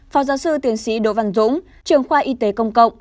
phó giáo sư tiến sĩ đỗ văn dũng trường khoa y tế công cộng